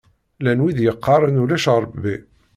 Llan wid yeqqaṛen ulac Ṛebbi.